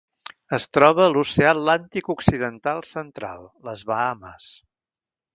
Es troba a l'Oceà Atlàntic occidental central: les Bahames.